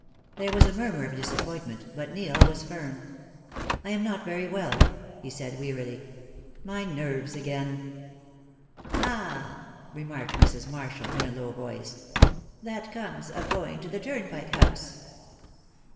There was a murmur of disappointment, but Neil was firm. "I am not very well," he said, wearily. "My nerves again." "Ah!" remarked Mrs. Marshal, in a low voice. "That comes of going to the Turnpike House."